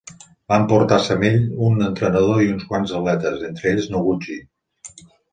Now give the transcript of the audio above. Va emportar-se amb ell un entrenador i uns quants atletes, entre ells Noguchi.